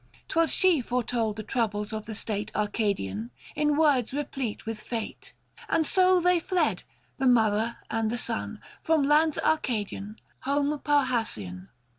'Twas she foretold the troubles of the state Arcadian, in words replete with fate. And so they fled, the mother and the son 505 From lands Arcadian, home Parrhasian.